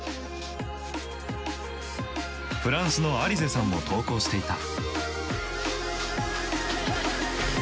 フランスのアリゼさんも投稿していた。